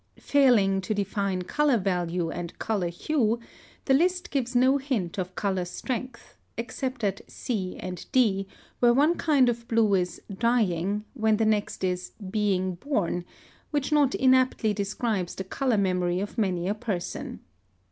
Failing to define color value and color hue, the list gives no hint of color strength, except at C and D, where one kind of blue is "dying" when the next is "being born," which not inaptly describes the color memory of many a person.